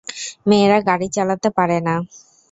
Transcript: মেয়েরা গাড়ি চালাতে পারে না।